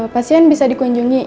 pasien bisa dikunjungi